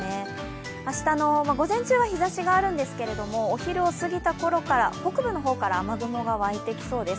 明日の午前中は日ざしがあるんですけれども、お昼を過ぎたころから北部の方から雨雲がわいてきそうです。